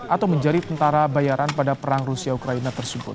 atau menjadi tentara bayaran pada perang rusia ukraina tersebut